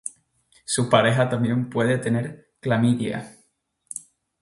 • Su pareja también puede tener clamidia.•